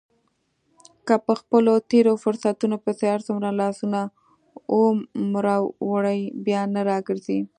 که په خپلو تېرو فرصتونو پسې هرڅومره لاسونه ومروړې بیا نه را ګرځي.